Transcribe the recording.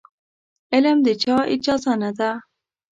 علم د چا اجاره نه ده.